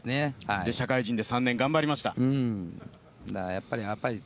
社会人で３年頑張りました。